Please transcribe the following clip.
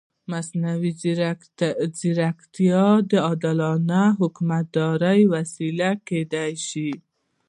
مصنوعي ځیرکتیا د عادلانه حکومتدارۍ وسیله کېدای شي.